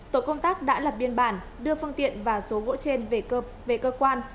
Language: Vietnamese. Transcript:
tổ công tác đã lập biên bản đưa phương tiện và số gỗ trên về cơ quan